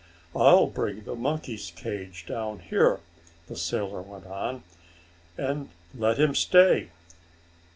"I'll bring the monkey's cage down here," the sailor went on, "and let him stay.